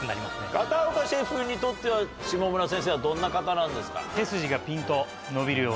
片岡シェフにとっては下村先生はどんな方なんですか？